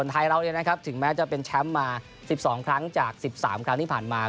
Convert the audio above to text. ท้ายเราเนี่ยนะครับถึงแม้จะเป็นแชมป์มา๑๒ครั้งจาก๑๓ครั้งที่ผ่านมา